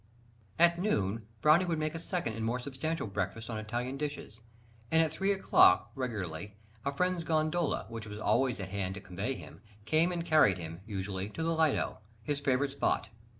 ... At noon, Browning would make a second and more substantial breakfast on Italian dishes; and at three o'clock regularly, a friend's gondola, which was always at hand to convey him, came and carried him, usually, to the Lido, his favourite spot.